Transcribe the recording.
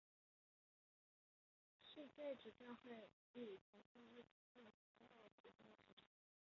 世界主教会议依其性质可分为普通会议和特别会议两种。